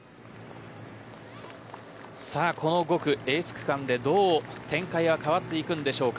この５区、エース区間でどう展開が変わるでしょうか。